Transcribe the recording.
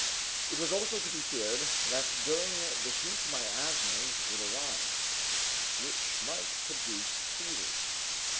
It was also to be feared that during the heat miasmas would arise, which might produce fevers.